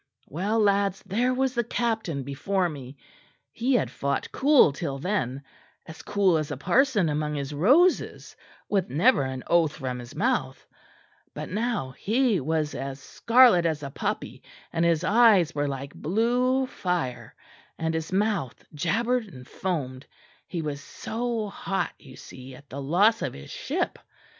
Well, lads, there was the captain before me. He had fought cool till then, as cool as a parson among his roses, with never an oath from his mouth but now he was as scarlet as a poppy, and his eyes were like blue fire, and his mouth jabbered and foamed; he was so hot, you see, at the loss of his ship.